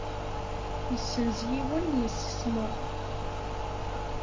Yessenz yiwen n yemsismeḍ.